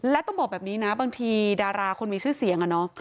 และต้องบอกแบบนี้นะบางทีดาราคนมีชื่อเสียงอะเนาะ